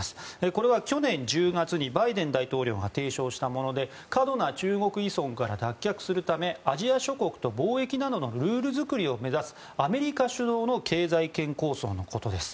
これは去年１０月にバイデン大統領が提唱したもので過度な中国依存から脱却するためアジア諸国と貿易などのルール作りを目指すアメリカ主導の経済圏構想のことです。